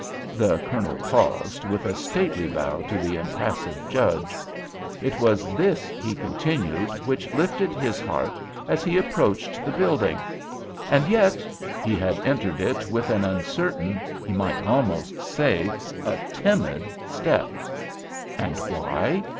The Colonel paused, with a stately bow to the impassive Judge. It was this, he continued, which lifted his heart as he approached the building. And yet—he had entered it with an uncertain—he might almost say—a timid step. And why?